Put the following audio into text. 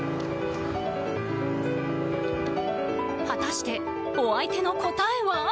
果たして、お相手の答えは。